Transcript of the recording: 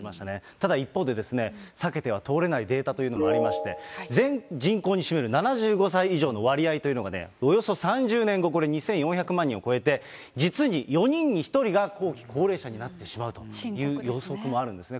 ただ一方で、避けては通れないデータというのがありまして、全人口に占める７５歳以上の割合というのがね、およそ３０年後、これ２４００万人を超えて、実に４人に１人が後期高齢者になってしまうという予測もあるんですね。